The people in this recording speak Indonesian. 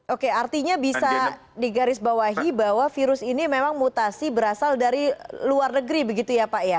oke artinya bisa digarisbawahi bahwa virus ini memang mutasi berasal dari luar negeri begitu ya pak ya